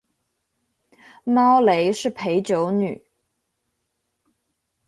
猫雷是陪酒女